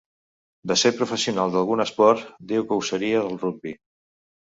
De ser professional d'algun esport, diu que ho seria del rugbi.